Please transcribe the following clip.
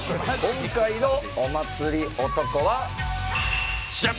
今回のお祭り男はジャン。